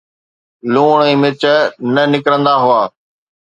لوڻ ۽ مرچ نه نڪرندا هئا